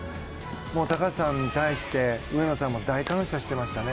高橋さんに対して上野さんも大感謝していましたね。